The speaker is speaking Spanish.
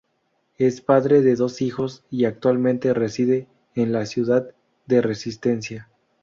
Es padre de dos hijos y actualmente reside en la ciudad de Resistencia.